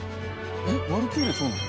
えっ『ワルキューレ』そうなの？